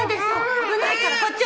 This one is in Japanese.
危ないからこっちおいで！